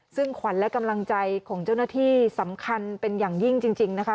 ซึ่งขวัญและกำลังใจของเจ้าหน้าที่สำคัญเป็นอย่างยิ่งจริงนะคะ